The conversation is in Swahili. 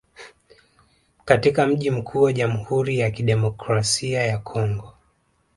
katika mji mkuu wa Jamhuri ya Kidemokrasia ya Kongo